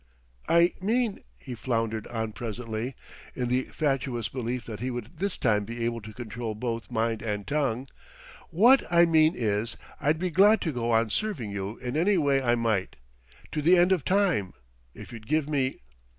"I mean," he floundered on presently, in the fatuous belief that he would this time be able to control both mind and tongue, "what I mean is I'd be glad to go on serving you in any way I might, to the end of time, if you'd give me...."